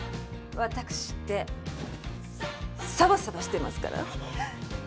ワタクシってサバサバしてますから！